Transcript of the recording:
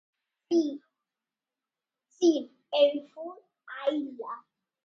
Si, si, eu fun á illa.